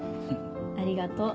ありがとう。